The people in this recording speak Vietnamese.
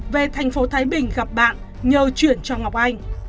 về thành phố thái bình gặp bạn nhờ chuyển cho ngọc anh